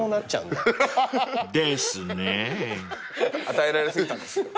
与えられ過ぎたんですよ。